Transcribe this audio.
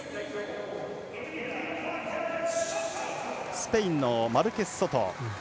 スペインのマルケスソト。